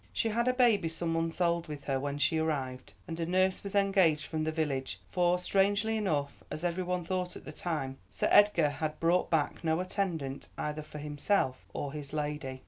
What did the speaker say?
She had a baby some months old with her when she arrived, and a nurse was engaged from the village, for strangely enough, as every one thought at the time, Sir Edgar had brought back no attendant either for himself or his lady.